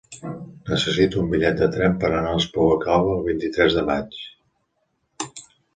Necessito un bitllet de tren per anar a l'Espluga Calba el vint-i-tres de maig.